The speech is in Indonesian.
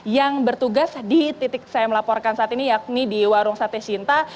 yang bertugas di titik saya melaporkan saat ini yakni di warung sate sinta